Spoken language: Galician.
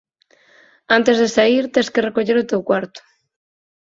Antes de saír tes que recoller o teu cuarto.